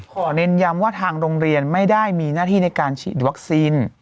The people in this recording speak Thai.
ขอเน้นย้ำว่าทางโรงเรียนไม่ได้มีหน้าที่วัคซีน